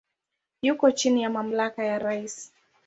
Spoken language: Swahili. Yuko chini ya mamlaka ya rais.